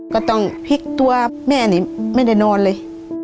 ก็ต้องพลิกตัวแม่นี่ไม่ได้นอนเลย